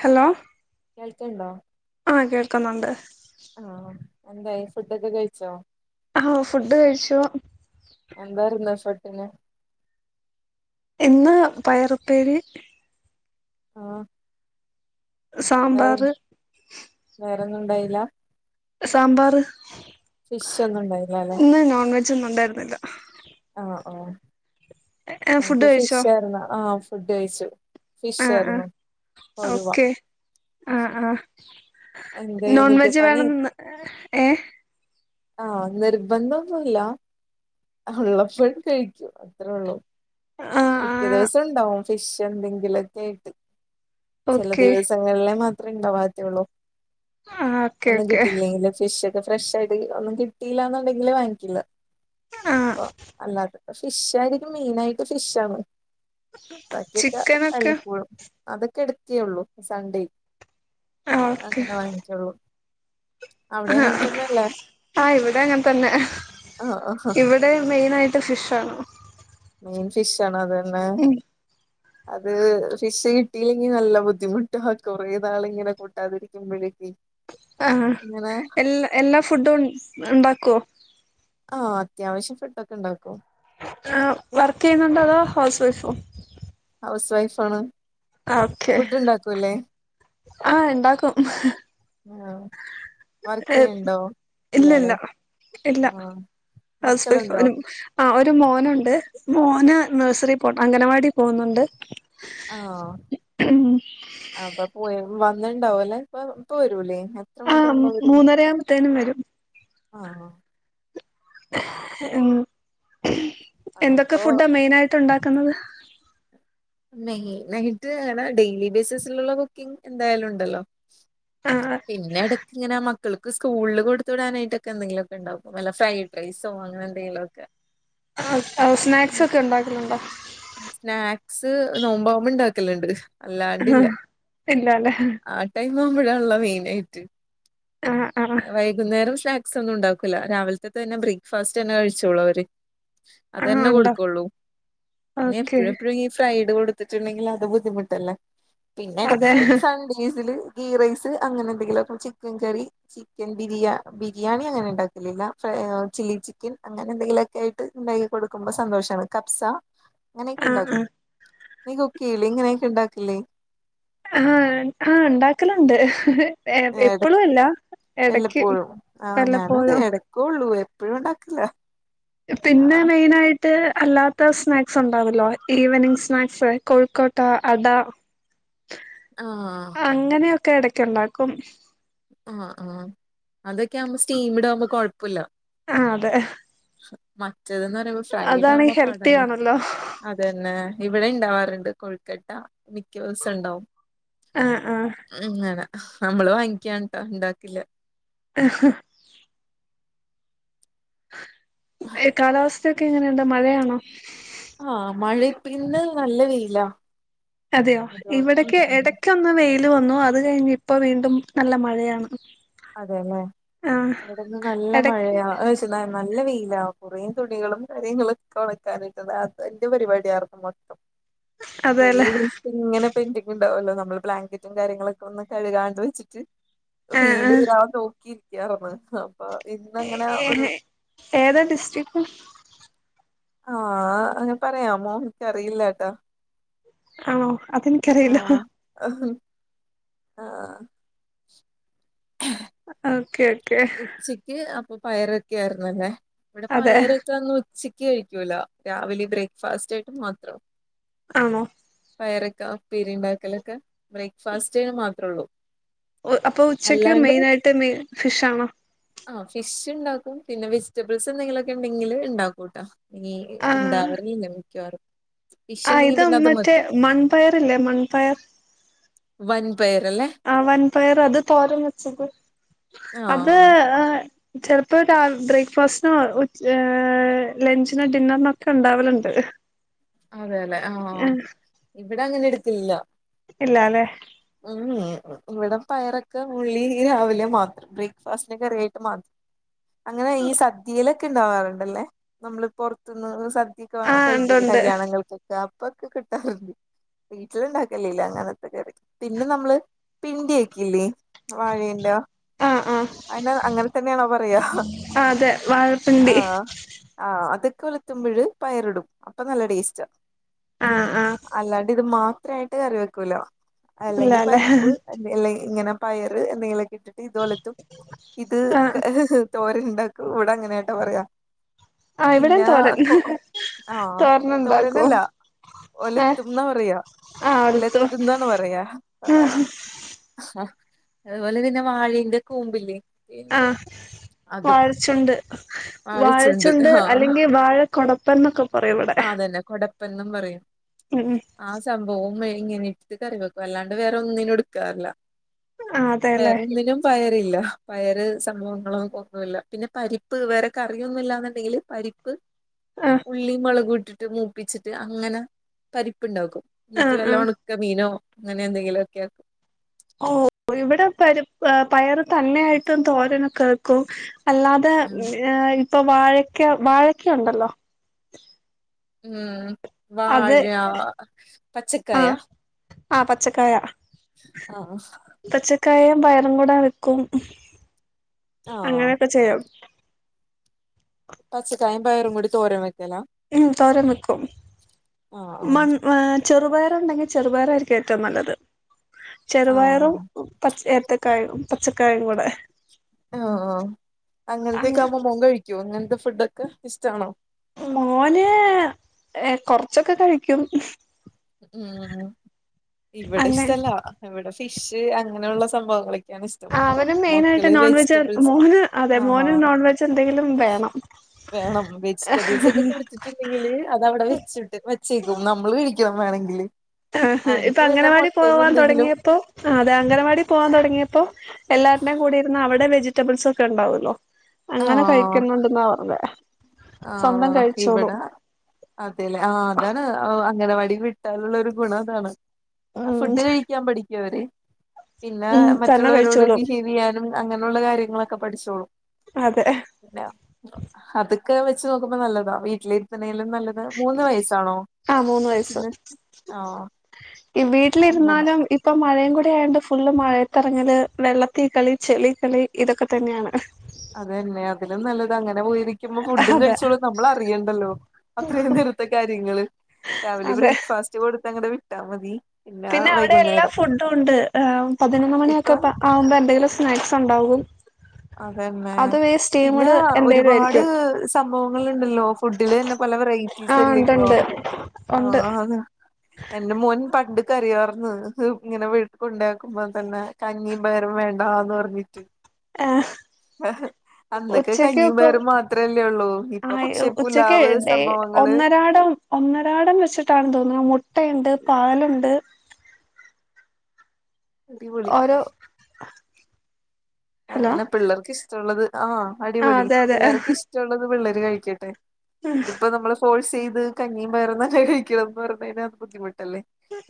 Hello കേൾക്ക്ണ്ടോ ആഹ് കേൾക്കുന്നുണ്ട് ആഹ് എന്തായി ഫുഡൊക്കെ കഴിച്ചോ ഹാ ഫുഡ് കഴിച്ചു എന്തായിരുന്നു ഫുഡി‌ന് ഇന്ന് പയറുപ്പേരി ആഹ് വേറെ സാമ്പാർ വേറൊന്നും ഉണ്ടായില്ല സാമ്പാർ ഫിഷ് ഒന്നും ഉണ്ടായില്ല അല്ലെ ഇന്ന് നോൺ വെജ് ഒന്നും ഉണ്ടായിരുന്നില്ല ആ ആഹ് ഏഹ് ഫുഡ് ഞക്ക് കഴിച്ചോ ഫിഷ് ആയിന്നു ആഹ് ഫുഡ് കഴിച്ചു ഫിഷ് ആ ആഹ് ആയിരുന്നു കൊഴുവ ഓക്കെ ആ ആഹ് എന്തേ നോൺ എന്നിട്ട് വെജ് പണി വേണമെന്ന് ഏഹ് ആഹ് നിർബന്ധൊന്നുല്ല്യ ഹുള്ള ഫുഡ്‌ കഴിക്കും അത്ര ഒള്ളൂ ആഹ് മിക്ക ആഹ് ദിവസം ഉണ്ടാവും ഫിഷ് എന്തെങ്കിലുംക്കെ ആയിട്ട് ചെല ഓക്കെ ദിവസങ്ങളിലേ മാത്രമേ ഉണ്ടാവാത്ത്യുള്ളൂ ആഹ് ഓക്കെ ഒന്നും ഓക്കെ കിട്ടിയില്ലെങ്കില് ഫിഷ് ഒക്കെ ഫ്രഷ് ആയിട്ട് ഒന്നും കിട്ടിയില്ലാന്നുണ്ടെങ്കില് വാങ്ങിക്കില്ല ആഹ് അപ്പൊ അല്ലാതെ ഫിഷ് ആയിരിക്കും മെയിൻ ആയിട്ട് ഫിഷാണ് ബക്കിയൊക്കെ ചിക്കനൊക്കെ വല്ലപ്പോഴും അതൊക്കെ എടുക്ക്യേള്ളൂ സൺ‌ഡേ ആഹ് ഓക്കെ അങ്ങനെ വാങ്ങിച്ചോള്ളൂ ആഹ ആ ഇവിടെ അങ്ങനെതെന്നെ ആഹ് ആഹ് ഇവിടെ വിടെ മെയിനായിട്ട് ഫിഷാണോ മെയിൻ ഫിഷ് ആണ് അത് തന്നെ ഉം അത് ഫിഷ് കി കൂട്ടിയിലെങ്കി നല്ല ബുദ്ധിമുട്ടാ ആ കൊറെ നാളിങ്ങനെ കൂട്ടാതിരിക്കുമ്പഴേക്ക് ആ ഇങ്ങനെ എല്ലാ എല്ലാഫുഡും ഒണ് ഉണ്ടാക്കുവോ ആ അത്യാവശ്യം ഫുഡൊക്കെ ഉണ്ടാക്കും ആ വർക്കുചെയ്യുന്നുണ്ടോ അതോ ഹൗസ് വൈഫോ ഹൗസ് വൈഫാണ് ഫുഡ് ഒണ്ടാക്കൂവല്ലേ ആ ഇണ്ടാക്കും [unintelligible] വർക്ക് ഏ ചെയ്യണ്ടോ ഇല്ല ഇല്ല ഇല്ലാല്ലേ ഇല്ല ആഹ് ഹൗസ് മക്കളുണ്ടോ വൈഫാനും ആ ഒരുമോനുണ്ട് മോന് നഴ്സറി പോ അംഗനവാടി പോകുന്നുണ്ട് ആ അപ്പൊപോയി വന്നിണ്ടാവൂല്ലേ ഇപ്പവരൂലേ എത്ര ആഹ് മണിക്കാവുമ്പോ വരും മൂന്നരയാകുമ്പത്തേനും വരും ആ ഉം എന്തൊക്കെ അപ്പൊ ഫുഡാ മെയിനായിട്ട് ഉണ്ടാക്കുന്നത് മെയിനായിറ്റ് പറഞ്ഞ ഡെയിലി ബേസിസിലുള്ള കുക്കിംഗ് എന്തായാലും ഉണ്ടല്ലോ [unintelligible] പിന്നെ എടയ്ക്കിങ്ങനെ മക്കൾക്ക് സ്കൂളിൽ കൊടു വിടാനായിട്ടൊക്കെ എന്തങ്കിലുമൊക്കെ ഉണ്ടാക്കും നല്ല ഫ്രൈ പൈസ വാങ്ങാനൊണ്ടെങ്കിലൊക്കെ സ്നാക്സ് ഒക്കെ ഒണ്ടാക്കുന്നുണ്ടോ സ്നാക്സ് നോമ്പാമ്പോ ഇണ്ടാക്കലുണ്ട് അല്ലാണ്ടില്ല ആഹ് ഇല്ലാല്ലേ ആ ടൈം ആവുമ്പോഴാണല്ലോ മെയിനായിട്ട് ആഹ് ആഹ് അ വൈകി വൈകുന്നേരം സ്നാക്സ് ഒന്നും ഉണ്ടാക്കൂല്ല രാവിലത്തെ തന്നെ ബ്രേക്ക്ഫാസ്റ്റ് തന്നെ കഴിച്ചോളൂ അവര് ആഹ് അതന്നെ ഉണ്ടോ കൊടുക്കുള്ളൂ പിന്നെ ഓക്കെ എപ്പഴും എപ്പഴും ഈ ഫ്രൈഡ് കൊടുത്തിട്ടുണ്ടെങ്കിൽ അത് ബുദ്ധിമുട്ടല്ലേ പിന്നെ അതെ എടക്ക് സൺഡേയ്സില് ഗീ റൈസ് അങ്ങനെ എന്തെങ്കിലൊക്കെ ചിക്കൻ കറി ചിക്കൻ ബിരിയാ ബിരിയാണി അങ്ങനെ ഉണ്ടാക്കലില്ല ഫ്രൈ ചില്ലി ചിക്കൻ അങ്ങനെ എന്തെങ്കിലു ക്കെ ആയിട്ട് ഉണ്ടാക്കികൊടുക്കുമ്പോ സന്തോഷാണ് കപ്സാ അങ്ങനെയൊക്കെ ആഹ് ആഹ് ഉണ്ടാക്കും നീ കുക്ക് ചെയ്യില്ലേ ഇങ്ങനെയൊക്കെ ഉണ്ടാക്കില്ലേ ആ ആ ഉണ്ടാക്കലുണ്ട് എ എട എപ്പളുവില്ല വല്ലപ്പോഴും ആ ഞാനുമതേ എടക്കേയുള്ളൂ എപ്പഴും ഉണ്ടാക്കില്ല പിന്നെ ആഹ് മെയിനായിട്ട് ട്ട് അല്ലാത്ത സ്നാക്സ് ഉണ്ടാവല്ലോ ഈവനിങ്ങ് സ്നാക്സ് കോഴിക്കോട്ട അടാ ആ അങ്ങനെയൊക്കെ എടക്കൊണ്ടാക്കും ആ ആ അതൊക്കെയാവുമ്പൊ സ്റ്റീമിഡാകുമ്പോ കൊഴപ്പോല്ല ആ അതെ മറ്റേതെന്നു പറയുമ്പോ ഫ്രൈഡ് അതാണെങ്കി ആവുമ്പോ പാടല്ല ഹെൽത്തിയാണല്ലോ അതന്നെ ഇവിടെ ഇണ്ടാവാറുണ്ട് കോഴിക്കട്ടാ മിക്ക ദിവസോണ്ടാവും ആഹ് ആഹ് അങ്ങനെ നമ്മള് വാങ്ങിക്കാൻ ഒണ്ടാക്കില്ല [unintelligible] ഏ കാലാവസ്ഥയൊക്കെ എങ്ങനെയുണ്ട് മഴയാണോ ആ മഴേം പിന്നെ നല്ലവെയിലാ അതെയോ ഇവിടെക്കെ എടക്കൊന്ന് ന്ന് വെയില് വന്നു അതുകഴിഞ്ഞിപ്പൊ വീണ്ടും നല്ലമഴയാണ് അതെല്ലേ അവിടെന്ന് നല്ല എടക്ക് മഴയാ പിന്നെ നല്ല വെയിലാ കുറേ തുണികളും കാര്യങ്ങളൊക്കെ ഒണക്കാനിട്ടതാ അതിന്റെ പരിപാടിയായിരുന്നു മൊത്തം അതെല്ലേ [unintelligible] ഇങ്ങനെ പെന്റിങ്ങുണ്ടാവുമല്ലോ നമ്മള് ബ്ലാങ്കറ്റും കാര്യങ്ങളൊക്കെ ഒന്നുംകഴുകാണ്ട് വെച്ചിട്ട് ആഹ് ഒരാ നോക്കിയിരിക്കാന്നറഞ്ഞത് അപ്പൊ ഇന്നങ്ങനെ ഒരു ആഹ് ഏതാ ഡിസ്ട്രിക്റ്റ് ആഹ് ഞാൻ പറയാം മോം എനിക്കറിയില്ലാട്ടാ ആണോ അതെനിക്കറിയില്ല അഹം ആഹ് അ [unintelligible] അ ഓക്കെ ഓക്കെ ഉച്ചയ്ക്ക് അപ്പൊ പയറൊക്കാരുന്നു അല്ലേ ഇവിടെ അതെ പയറക്കൊന്ന് ചിക്കി കഴിക്കൂല രാവിലെ ബ്രേക്ക്ഫാസ്റ്റായിട്ട് മാത്രം ആണോ പയറക്ക പേരിണ്ടാക്കലക്ക ബ്രേക്ക്ഫാസ്റ്റ്ന് മാത്രുള്ളൂ അപ്പോ ഉച്ചയ്ക്ക് മെയിനായിട്ട് മെ ഫിഷാണോ ആഹ് ഫിഷിണ്ടാക്കും പിന്നെ വെജിറ്റബിൾസ് എന്തെങ്കിലൊക്കെ ഒണ്ടെങ്കില് ഇണ്ടാക്കൂട്ട ഇനി ഇണ്ടാവറില്ല മിക്കവാറും ഫിഷ് ആ ഉണ്ടെങ്കി ഇത് പിന്നെ അത് മറ്റേ മതി മൺപയറല്ലേ മൺപയർ വൺ പയറല്ലേ ആ വൻ പയറ് അത് തോരൻ വെച്ചിട്ട് അത് ആഹ് ചെലപ്പോ അതാ ബ്രേക്ക്ഫാസ്റ്റിനോ ഉച്ച് ആ ലെഞ്ചിനോ ഡിന്നറിനൊക്കെണ്ടാവലുണ്ട് അതേല്ലെ ആഹ് ഇവിടെ അങ്ങനെടുത്തില്ല ഇല്ലാല്ലേ ഉം ഇവിടെ പയറൊക്കെ ഉള്ളി രാവിലെ മാത്രം ബ്രേക്ക്ഫാസ്റ്റിനൊക്കെ റേട്ട് മാത്രം അങ്ങനെ ഈ സദ്യയിലൊക്കെ ഇണ്ടാവാറുണ്ടല്ലേ നമ്മളീ പൊർത്ത്ന്ന് സദ്യ ദ്യക്ക ആഹ് ഉണ്ട് കഴിക്കൂലേ ഉണ്ട് കല്യാണങ്ങൾക്ക് ആപ്പൊക്കെ കിട്ടാറുണ്ട് വീട്ടിലുണ്ടാക്കലില്ല അങ്ങനത്തെ കറി പിന്നെ നമ്മള് പിണ്ടി ആക്കില്ലേ വാഴേന്റ ആഹ് ആഹ് അയിന അങ്ങനതന്നെയാണോ പറയാ ആഹ് അതെ വാഴപ്പിണ്ടി ആഹ് ആഹ് അതൊക്കെ ഒലത്തുമ്പഴ് പയറിടും അപ്പൊ നല്ല ടേസ്റ്റാ ആഹ് ആഹ് അല്ലാണ്ട് ഇത് മാത്രായിട്ട് കറി വെക്കൂല അല്ലെങ്കി ഇല്ലാല്ലേ ആഹ് പരിപ്പ് അല്ലങ്കി ഇങ്ങനെ പയറ് എന്തെങ്കിലൊക്കെ ഇട്ടിട്ട് ഇതൊലത്തും ഇത് തോരനുണ്ടാക്കും ഇവിടങ്ങനയാട്ടൊ പറയാ ആഹ് ഇവിടെയും പിന്നെ തോരൻ കൊ ഒ ആഹ് തോരനുണ്ടാക്കും തോരനല്ലാ ഏ ഒലത്തുംന്നാ പറയാ ആ എടുത്തു ഉലത്തുംന്നാണ പറയാ ആ ആഹ് അതുപോലതന്ന വാഴേന്റെ കൂമ്പില്ലേ ആഹ് അതും വാഴച്ചെണ്ട് വാഴച്ചുണ്ട് വാഴച്ചെണ്ട് ആഹ് അല്ലെങ്കി വാഴക്കൊടപ്പെൻന്നൊക്ക പറയും ഇവിട എന്ന കൊടപ്പ് പ്പെന്നും പറയും ഉം ഉം ആ സംഭവോം ഇങ്ങനെ എടുത്തു കറി വെക്കും അല്ലാണ്ട് വേറെ ഒന്നിനും എടുക്കാറില്ല ആ അതെല്ലേ വേറൊന്നിനും പയറില്ല പയറ് സംഭവങ്ങളും ഒന്നുല്ല പിന്നെ പരിപ്പ് വേറെ കറിയൊന്നു ഇല്ലാന്നുണ്ടെങ്കില് പരിപ്പ് ആ ഉള്ളി മൊളക് ഇട്ടി ട്ട് മൂപ്പിച്ചിട്ട് അങ്ങനെ പരിപ്പിണ്ടാക്കും ആ എന്നിട്ട് ആ വല്ലാ ക്ക മീനോ അങ്ങനെ എന്തെങ്കിലൊക്കെ ആക്കും ഓ ഇവിടെ പരിപ്പ് പയറ് തന്നെ ആയിട്ടും തോരനൊക്കെ വെക്കും അല്ലാതെ ഇപ്പൊ വാഴക്ക വാഴക്കൊണ്ടല്ലോ ഉം അത് വാഴ ആ പച്ചക്കായാ ആ പച്ചക്കായ ആഹ് ക്കയും പയറും കൂടാ വെക്കും ആഹ് അങ്ങനൊക്കെ ചെയ്യാം പച്ചക്കായും പയറും കൂടി തോരൻ വെക്കലാ ഉം തോരൻ വെക്കും ആഹ് ആഹ് [unintelligible] ചെറുപയറുണ്ടെങ്കി ചെറുപയറായിരിക്കും ഏറ്റവും നല്ലത്. ചെറുപയറും ആഹ് പച്ച ഏത്തക്കായും പച്ചക്കായും കൂടെ ആഹ്. അങ്ങൻത്തെക്കാവുമ്പൊ മോൻ കഴിക്കോ ങ്ങൻത്തെ ഫുഡൊക്കെ ഇഷ്ടാണോ മോന് എ കൊർച്ചൊക്കെ കഴിക്കും ഉം ഇവിടെ അങ്ങനെ ഇഷ്ടല്ല ഇവിടെ ഫിഷ് അങ്ങനെയുള്ള സംഭവങ്ങളൊക്കെയാണ് ഇഷ് ആഹ് അവന് മെയിനായിട്ട് നോൺവെജ് മോന് അതെ ആഹ് മോന് നോൺവെജെന്തെങ്കിലും വേണം വേണം, വെജിറ്റബിൾസൊക്കെ കുടിച്ചിട്ടില്ലെങ്കില് അതവിടെ വെച്ചിട്ട് ച്ചികും. നമ്മള് കഴിക്കണം വേണെങ്കില് ആഹ്. ഇപ്പ അവനിക്ക് വല്ല അംഗനവാടി മുട്ടയോ പോവാൻ എന്തെങ്കിലും തൊടങ്ങിയപ്പോ ആഹ് അതെ അംഗനവാടി പോവാൻ തൊടങ്ങിയപ്പോ എല്ലാരുടേം കൂടെഇരുന്ന് അവിടെ വെജിറ്റബിൾസ് ഒക്കെ ഉണ്ടാവല്ലോ അങ്ങനെ ആഹ് കഴിക്കുന്നുണ്ടെന്നാ പർഞ്ഞേ. സ്വന്തം കഴിച്ചോളും അതെലേ.. ആഹ് അതാണ് അങ്ങനവാടി വിട്ടാലുള്ള ഒരു ഗുണം അതാണ് ആഹ് ഉം ഫുഡ് കഴിക്കാൻ പഠിക്കു അവര്. പിന്നെ ഉം തന്നെ മറ്റുള്ളവരോട് കഴിച്ചോളും ബിഹേവെയ്യാനും അങ്ങനുള്ള കാര്യങ്ങളൊക്കെ പഠിച്ചോളും അതെ പിന്നെ അതൊക്കെ വെച്ച് നോക്കുമ്പോ നല്ലതാ വീട്ടിലിരുത്തണേലും നല്ലത് മൂന്ന് വയസ്സാണോ ആ മൂന്ന് വയസ്സ് കൊച്ചിന് ആഹ് അങ്ങനെ പ്പൊ മഴയും കൂടെ ആയോണ്ട് ഫുള്ള് മഴയത്തറങ്ങല് വെള്ളത്തി കളി ചെളി കളി ഇതൊക്കെ തന്നെയാണ് അതന്നെ, അതിലും നല്ലത് അങ്ങനെ പോയിരിക് ക്കുമ്പോ ഫുഡും അതെ കഴിച്ചോളും. നമ്മളറിയണ്ടല്ലോ അത്രയും നേര്ത്തെ കാര്യങ്ങള് രാവിലെ അതെ ബ്രേക്ഫാസ്റ്റ് കൊടുത്തങ്ങട്ട് വിട്ടാ മതി പിന്നെ അവിടെ എല്ലാ ഫുഡുണ്ട് പതിനൊന്ന് ഇപ്പൊ മണിയൊക്കെപ്പ ആവുമ്പോ എന്തെങ്കിലും സ്നാക്സ് ഉണ്ടാവും അതന്നെ പിന്നാ എന്തേലും ഒരുപാട് ആയിരിക്കും സംഭവങ്ങളുണ്ടല്ലോ, ഫുഡിലെന്നെ പല ആ വെറൈറ്റീസല്ലേഇപ്പോ ഉണ്ടുണ്ട് ഉണ്ട് ആഹ് ന്ന് എന്റെ മോൻ പണ്ട് കരയുവാർന്ന്. ഇങ്ങനെ വീട്ട് കൊണ്ടയാക്കുമ്പോ തന്നെ കഞ്ഞി. പയറും വേണ്ടാന്ന് പറഞ്ഞിട്ട്. ആഹ് - വഹ് അന്നൊക്കെ കഞ്ഞീം പയറും മാത്രല്ലേ ഉള്ളൂ. ആ ഇപ്പൊ പക്ഷേ ഉച്ചക്ക് പുലാവ് ഡേ സംഭവങ്ങള്. ഒന്നരാടം ഒന്നരാടം വെച്ചിട്ടാണ്ന്ന് തോന്നുന്നു മുട്ടയുണ്ട് പാലുണ്ട്. അടിപൊളി ഒരു അങ്ങനെ പിള്ളർക്ക് ഇഷ്ടമുള്ളത്. ആഹ് ആ അടിപൊളി അതെ അതെ പിള്ളർക്ക് ഇഷ് ടള്ളത് പിള്ളേര് കഴിക്കട്ടെ. ഇതിപ്പോ നമ്മള് ഫോൾസെയ്ത് കഞ്ഞിയും പയറും തന്നെ കഴിക്കണംന്ന് പറഞ്കഴിഞ്ഞ അത് ബുദ്ധിമുട്ടല്ലേ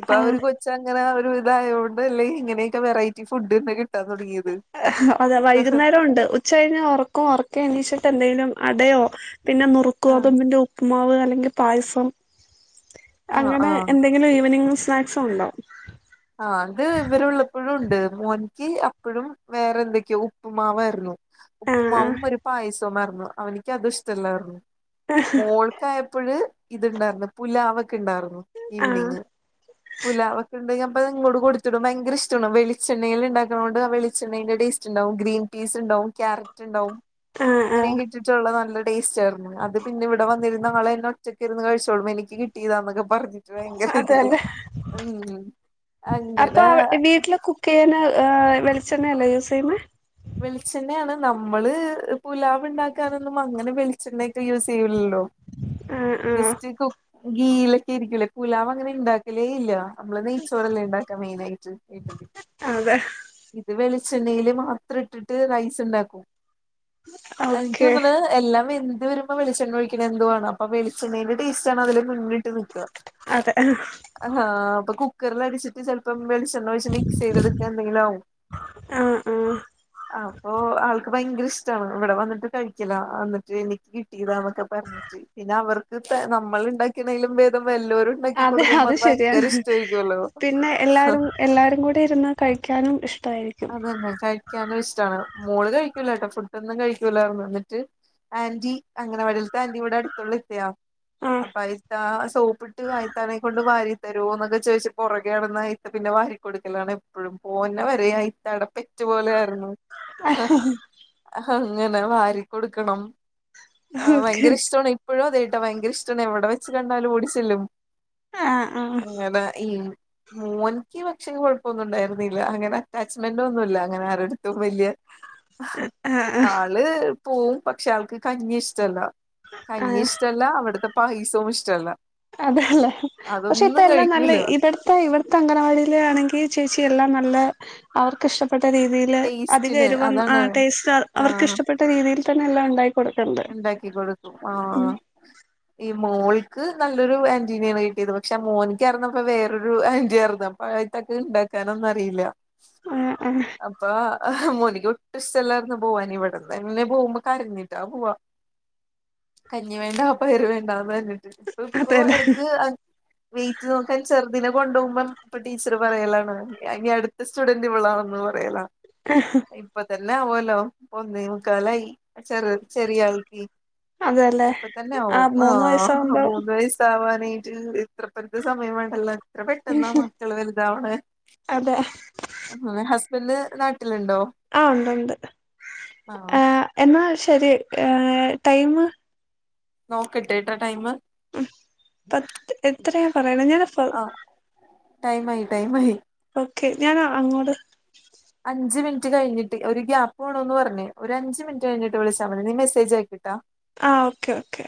ഇപ്പൊ ആ അവര് കൊച് ച്ചങ്ങനെ ഒരു ഇതായോണ്ടല്ലേ ഇങ്ങനെയൊക്കെ വെറൈറ്റി ഫുഡ്ന്നെ കിട്ടാൻ തുടങ്ങിയത്. അഹ് അതെ ആഹ് വൈകുന്നേരം ഉണ്ട്. ഉച്ച കഴിഞ ഉറക്കും. ഉറക്കെ എണീച്ചിട്ട് എന്തേലും അടയോ പിന്നെ നുറുക്കോതമ്പിന്റെ ഉപ് പ്പുമാവ് അല്ലെങ്കിൽ പായസം ആഹ് അങ്ങനെ ആഹ് എന്തെങ്കിലും ഈവനിംഗ് സ്നാക്സും ഉണ്ടാവും. ആഹ്. അത് ഇവരുള്ളപ്പഴും ഉണ്ട്. മോൻക്ക് അപ്പഴും വേറെ എന്തൊക്കെയോ ഉപ്പുമാവായിരുന്നു. ആഹ് ഉപ്പുമാവും ഒരു പായസവുമാർന്നു അവനിക്കതും ഇഷ്ടല്ലാർന്ന് മോൾക്കായപ്പഴ് ഇത്ണ്ടായിർന്ന് പുലാവൊക്കെ ഇണ്ടാർന്നു. ആഹ് ഈവ്ണിങ്, പുലാവൊക്കെണ്ടെങ്കി ഞാൻ പ്പതങ്ങോട് കൊടുത്തിടും. ഭയങ്കര ഇഷ്ടാണ്. വെളിച്ചെണ്ണേല്ണ്ടാക്ണോണ്ട് വെളിച്ചെണ്ണേന്റെ ടേസ്റ്റ്ണ്ടാവും ഗ്രീൻ ഗ്രീൻപീസ്ണ്ടാവും, ക്യാരറ്റ് ണ്ടാവും, ആഹ് ആഹ് അങ്ങനെയൊക്കെ ഇട്ടിട്ടുള്ള നല്ല. ടേസ്റ്റാരുന്നു അത് പിന്നെ ഇവടെ വന്നിര്ന്ന് ആളെന്നെ ഒറ്റക്ക് ഇരുന്ന് കഴിച്ചോളും എനിക്ക് കിട്ടിയതാന്നൊക്കെ പറഞ്ഞ് ട്രൈങ്കര അതെ ഇതില് അതെ ഉം അപ്പൊ അങ്ങനെ വീട്ടില് കുക്കെയ്യാന് ഏഹ് വെളിച്ചെണ്ണയല്ലെ യൂസെയ്യുന്നേ വെളിച്ചെണ്ണയാണ് നമ്മള് പുലാവ് ഇണ്ടാക്കാനൊന്നും അങ്ങനെ വെളിച്ചെണ്ണെക്കെ യൂസെയ്യൂല്ലല്ലോ ആഹ് ആഹ് ജസ്റ്റ് കു ഗീയിലൊക്കെ ആയിരിക്കൂലേ പുലാവ് അങ്ങനെ ഇണ്ടാക്കലേ ഇല്ല അമ്മള് നെയ്ച്ചോറല്ലെ ഇണ്ടാക്കാ മെയിനായിട്ട് [unintelligible] അതെ ഇത് വെളിച്ചെണ്ണയില് മാത്രം ഇട്ടിട്ട് റൈസ് ഇണ്ടാക്കും എനിക്ക് ഓക്കെ തോന്ന്ണെ എല്ലാം വെന്ത് വരുമ്പോ വെളിച്ചെണ്ണ ഒഴിക്കണെന്തോ ആണ് അപ്പൊ വെളിച്ചെണ്ണേന്റെ ടേസ്റ്റാണതില് മുന്നിട്ട് നിക്കാ അതെ ആഹ് ഹാ അപ്പൊ കുക്കറ്ല് അടിച്ചിട്ട് ചെലപ്പം വെളിച്ചെണ്ണ ഒഴിച്ച് മിക്സെയ്തെടുക്കാ എന്തെങ്കിലു ആവും ആഹ് അപ്പൊ ആൾ ഭയങ്കര ഇഷ്ടാണ് ഇവടെ വന്നിട്ട് കഴിക്കലാ അന്നിട്ട് എനിക്ക് കിട്ടിയതാന്നൊക്കെ പറ്ഞ്ഞ് പിന്നെ അവർക്ക് പേ നമ്മള് ഇണ്ടാക്ക്ണേലും ഭേദം വല്ലോരും ഉണ്ടാക്കി അതെ കൊടുക്കുമ്പോ അത് ഭയങ്കര ശരിയാണ് ഇഷ്ടമായിരിക്കുമല്ലോ പിന്നെ എല്ലാരും എല്ലാരും കൂടെ ഇരുന്ന് കഴിക്കാനും ഇഷ്ടായിരി അതന്നെ കഴിക്കാനും ഇഷ്ടാണ് മോള് കഴിക്ക്യൂലാട്ടോ ഫുഡൊന്നും കഴിക്ക്യൂലായിരുന്നു ന്ന്ട്ട് ആന്റി അംഗനവാടില്ത്തെ ആന്റി ഇവടെ അട്ത്ത്ള്ള ഇത്തയാ ആഹ് അപ്പ ആ ഇത്താ സോപ്പിട്ട് ആ ഇത്താനെ കൊണ്ട് വാരി തരോന്നൊക്കെ ചോയിച്ച് പൊറകെ നടന്ന് ആ ഇത്ത പിന്നെ വാരികൊടുക്കലാണ് എപ്പഴും പോര്ന്ന വരെ ആ ഇത്താടപ്പെ റ്റ് പോലെ ആയിരുന്നു അങ്ങനെ വാരി കൊടുക്കണം ആഹ് ഓക്കെ ഭയങ്കര ഇഷ്ടവാണെ ഇപ്പഴും അതേട്ടൊ ഭയങ്കര ഇഷ്ടാണ് എവിടെ വെച്ച് കണ്ടാലും ഓടിച്ചെല്ലും ആഹ് ആഹ് അങ്ങനെ ഈ മോൻക്ക് പക്ഷേ കൊഴപ്പൊന്നും ഉണ്ടായിരുന്നില്ല അങ്ങനെ അറ്റാ [unintelligible] അങ്ങനെ ആരെടുത്തും വല്ല്യെ ആഹ് ആ ള് പോവും പക്ഷേ ആൾക്ക് കഞ്ഞി ഇഷ്ടല്ല കഞ്ഞി ആഹ് ഇഷ് ടല്ല അവട്ത്തെ പായസോം ഇഷ്ടല്ല അതെല്ലേ പക്ഷേ ഇപ്പെ അതൊന്നും എല്ലാം നല്ലെ കഴിക്കൂല ഇബട് ത്ത ഇവട്ത്ത അംഗനവാടിയിലാണെങ്കി ചേച്ചിയെല്ലാം നല്ല അവർക്ക് ഇഷ്ടപ്പെട്ട രീതീ ല് അധികം ടേസ്റ്റിന് എരുവൊന്നും അതാണ് ആഹ് ടേസ്റ്റാ അവർക്ക് ഇഷ്ടപ്പെട്ട രീതിയില് തന്നെ എല്ലാം ഇണ്ടായി ഇണ്ടാക്കി കൊടുക്കും ആഹ് ഈ മോൾക്ക് നല്ലൊരു ആന്റീനേണ് കിട്ടിയത് പക്ഷേ മോന്ക്ക്യാരുന്നുപ്പൊ വേറൊരു ആന്റീയാര്ന്നു. അ പഴേത്തക്ക് ഇണ്ടാക്കാനൊന്നും അറിയില്ല ഏഹ് ആഹ് അപ്പോ മോനിക്ക്യൊട്ടും ഇഷ്ടല്ലാർന്നു പോവാന് ഇവിടെന്നന്നെ പോവുമ്പോ കരഞ്ഞിട്ടാ പോവാ കഞ്ഞി വേണ്ട പയറ് വേണ്ടാന്നർഞ്ഞിട്ട് ഇപ്പ ഇപ്പോ അതെല്ലേ എടക്ക് അ വെയിറ്റ് നോക്കാൻ ചെറ്തിനെ കൊണ്ടോവുമ്പം അപ്പം ടീച്ചറ് പറയലാണ് ഇനി അട്ത്ത സ്റ്റുഡന്റ് ഇവളാണന്ന് പറയലാ അഹ് ഇപ്പ തന്നെ ആവോല്ലോ ഒന്നേമുക്കാലായി ഇപ്പ ചെറ് ചെറിയ ആൾക്കി അതെല്ലേ ഇപ്പൊ ആ തന്നാവും മൂന്ന് ആഹ് വയസാകുമ്പോ മൂന്ന് വയസ് ട്ടാവാനായിറ്റ് ഇത്ര പെരുത്ത് സമയം വേണ്ടല്ലോ എത്ര പെട്ടെന്നാ മക്കള് വല്താവ്ണെ അതെ ഉം ഹസ്ബന്റ് നാട്ടില്ണ്ടോ? ആഹ് ഉണ്ട് ഉണ്ട് ആഹ് എന്നാ ശരി ഏഹ് ടൈമ് നോക്കട്ടേട്ടൊ ടൈമ് ഉം പത്ത് എത്രയാ പറയ്ണെ ഞാനാ ആഹ് ടൈമായി ടൈമായി ഓക്കെ ഞാനാ അങ്ങോട് അഞ്ച് മിനിറ്റ് കഴിഞ്ഞിട്ട് ഒരു ഗ്യാപ്പ് വേണോന്ന് പറഞ്ഞ് ഒരു അഞ്ച് മിനിറ്റ് കഴിഞ്ഞിട്ട് വിളിച്ചാ മതി നീ മെസേജ് അയക്ക്ട്ടൊ ആഹ് ഓക്കെ ഓക്കെ